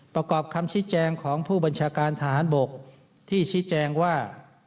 ประกอบคำชี้แจงของผู้บัญชาการทหารบกที่ชี้แจงว่า